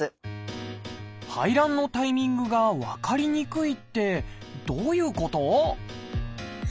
排卵のタイミングが分かりにくいってどういうこと？